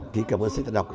thì cảm ơn sĩ đã đọc